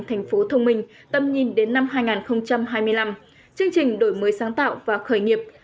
thành phố thông minh tầm nhìn đến năm hai nghìn hai mươi năm chương trình đổi mới sáng tạo và khởi nghiệp